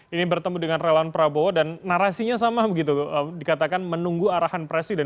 ini bertemu dengan relawan prabowo dan narasinya sama begitu dikatakan menunggu arahan presiden